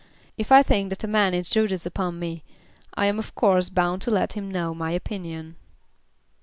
If I think that a man intrudes upon me, I am of course bound to let him know my opinion."